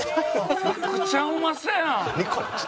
めちゃくちゃうまそうやん！